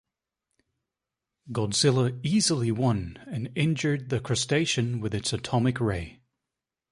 Godzilla easily won and injured the crustacean with its atomic ray.